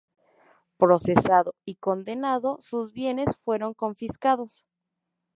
Procesado y condenado, sus bienes fueron confiscados.